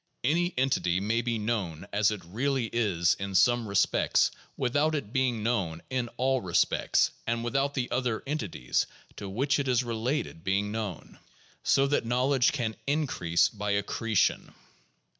Any entity may be known as it really is in some respects with out its being known in all respects and without the other entities to which it is related being known, so that knowledge can increase by accretion.